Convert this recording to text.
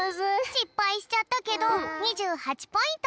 しっぱいしちゃったけど２８ポイント